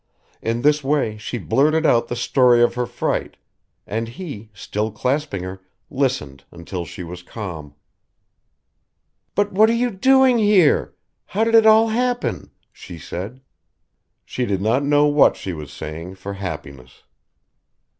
In this way she blurted out the story of her fright, and he, still clasping her, listened until she was calm. "But what are you doing here? How did it all happen?" she said. She did not know what she was saying for happiness.